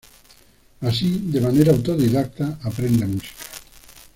Así, de manera autodidacta, aprende música.